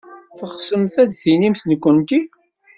Teɣsemt ad d-tinimt nekkenti?